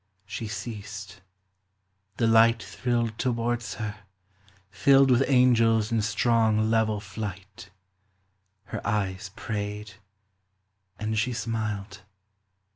She ceased. The light thrilled towards her, filled 102 POEMS OF FAXCY. With angels in strong level flight. Her eyes prayed, and she smiled.